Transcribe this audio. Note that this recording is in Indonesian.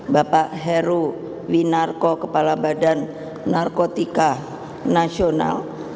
bapak heru winarko kepala badan narkotika nasional